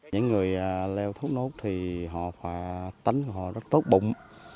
những người leo thốt nốt thì họ tính họ rất tốt bụng